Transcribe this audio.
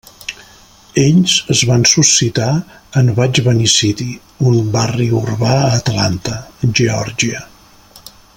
Ells es van suscitar en Vaig venir City, un barri urbà a Atlanta, Geòrgia.